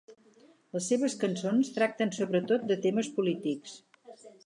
Les seves cançons tracten sobretot de temes polítics.